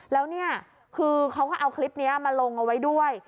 แล้วเนี่ยคือเขาก็เอาคลิปนี้มาลงเอาไว้ด้วย